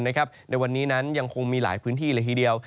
ในวันนี้นั้นยังคงมีหลายพื้นที่เลยทีเดียว